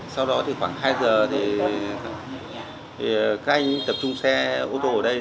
sau đó thì khoảng hai giờ thì các anh tập trung xe ô tô ở đây